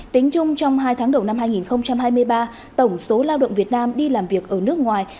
tính chung trong hai tháng đầu năm hai nghìn hai mươi ba tổng số lao động việt nam đi làm việc ở nước ngoài